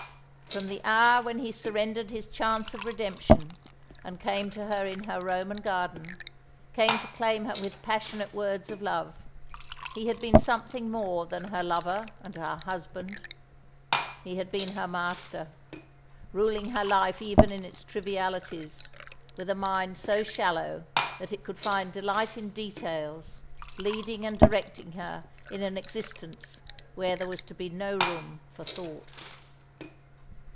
From the hour when he surrendered his chance of redemption, and came to her in her Roman garden, came to claim her with passionate words of love, he had been something more than her lover and her husband. He had been her master, ruling her life even in its trivialities, with a mind so shallow that it could find delight in details, leading and directing her in an existence where there was to be no room for thought.